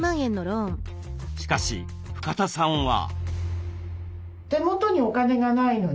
しかし深田さんは。